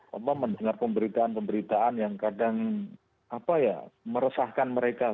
apa mendengar pemberitaan pemberitaan yang kadang meresahkan mereka